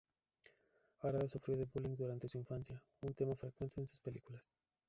Harada sufrió de bullying durante su infancia, un tema frecuente en sus películas.